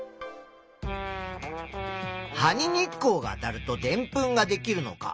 「葉に日光があたるとでんぷんができるのか」